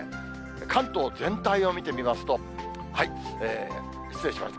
関東全体を見てみますと、失礼しました。